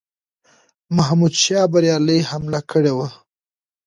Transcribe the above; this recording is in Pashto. محمودشاه بریالی حمله کړې وه.